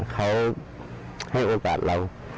เขาให้โอกาสเรา